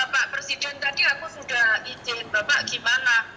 pak presiden tadi aku sudah izin bapak gimana